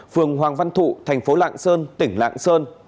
phường hoàng văn thụ thành phố lạng sơn tỉnh lạng sơn